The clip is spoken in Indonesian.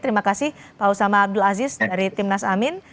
terima kasih pak usama abdul aziz dari timnas amin